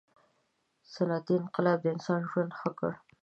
• صنعتي انقلاب د انسانانو ژوند ښه کړ.